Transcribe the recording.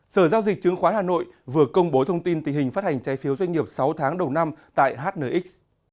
sở giao dịch chứng khoán hà nội vừa công bố thông tin tình hình phát hành trái phiếu doanh nghiệp sáu tháng đầu năm tại hnx